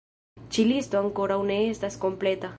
Ĉi-listo ankoraŭ ne estas kompleta.